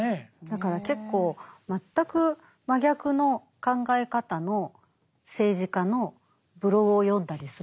だから結構全く真逆の考え方の政治家のブログを読んだりするんですよ。